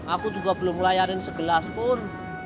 aku juga belum layarin segelas pun